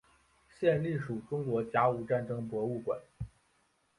现隶属中国甲午战争博物馆。